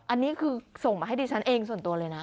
อันนี้คือส่งมาให้ดิฉันเองส่วนตัวเลยนะ